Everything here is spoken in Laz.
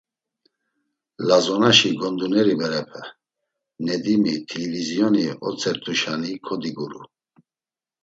Lazonaşi gonduneri berepe, Nedimi t̆ilivizyoni otzert̆uşani kodiguru.